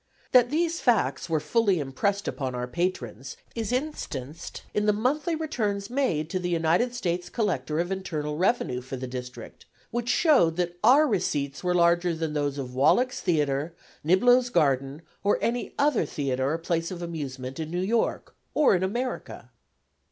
That these facts were fully impressed upon our patrons is instanced in the monthly returns made to the United States Collector of Internal Revenue for the district, which showed that our receipts were larger than those of Wallack's Theatre, Niblo's Garden, or any other theatre or place of amusement in New York, or in America.